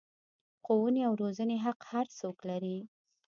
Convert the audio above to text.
ښوونې او روزنې حق هر څوک لري.